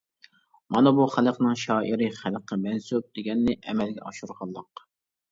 مانا بۇ خەلقنىڭ شائىرى خەلققە مەنسۇپ دېگەننى ئەمەلگە ئاشۇرغانلىق.